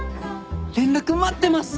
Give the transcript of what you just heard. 連絡待ってます！